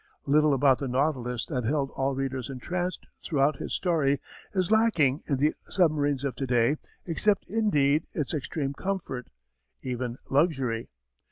Little about the Nautilus that held all readers entranced throughout his story is lacking in the submarines of to day except indeed its extreme comfort, even luxury.